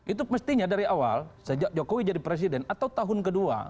itu mestinya dari awal sejak jokowi jadi presiden atau tahun kedua